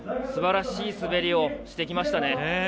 すばらしい滑りをしてきました。